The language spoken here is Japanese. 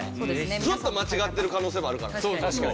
ちょっと間違ってる可能性もあるから。